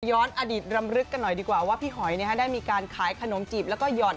อดีตรำลึกกันหน่อยดีกว่าว่าพี่หอยได้มีการขายขนมจีบแล้วก็หย่อน